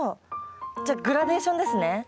じゃあグラデーションですね。